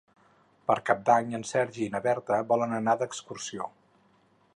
Per Cap d'Any en Sergi i na Berta volen anar d'excursió.